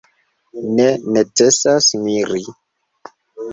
Ne necesas miri.